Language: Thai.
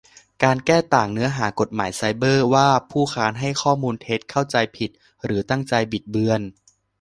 การแก้ต่างเนื้อหากฎหมายไซเบอร์ว่า ผู้ค้านให้ข้อมูลเท็จ เข้าใจผิด หรือตั้งใจบิดเบือน